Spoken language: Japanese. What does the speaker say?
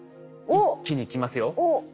一気にきますよ。